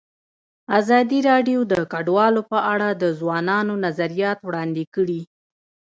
ازادي راډیو د کډوال په اړه د ځوانانو نظریات وړاندې کړي.